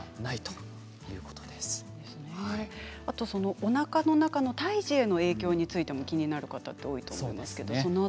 おなかの中の胎児への影響についても気になる方はどうですか？